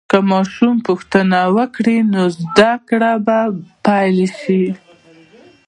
که ماشوم پوښتنه وکړي، نو زده کړه به پیل شي.